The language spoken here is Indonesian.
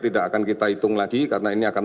tidak akan kita hitung lagi karena ini akan